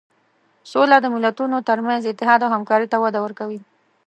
سوله د ملتونو تر منځ اتحاد او همکاري ته وده ورکوي.